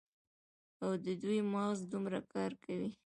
او د دوي مغـز دومـره کـار کـوي.